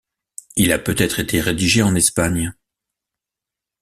Il a peut-être été rédigé en Espagne.